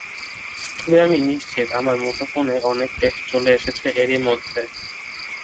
তবে আমি নিশ্চিত, আমার মুঠোফোনে অনেক টেক্সট চলে এসেছে এরই মধ্যে।